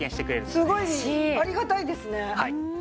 すごいありがたいですね。